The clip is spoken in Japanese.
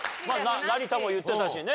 成田も言ってたしね。